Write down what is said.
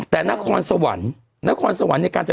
แต่นครสวรรค์การจัดตราจอด